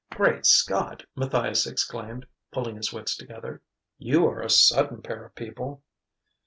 "Great Scott!" Matthias exclaimed, pulling his wits together. "You are a sudden pair of people!"